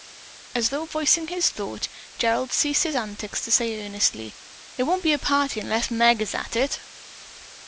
As though voicing his thought, Gerald ceased his antics to say earnestly: "It won't be a party unless Meg is at it."